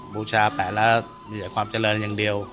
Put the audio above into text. บูชาแปะแล้วมีแต่ความเจริญอย่างเดียว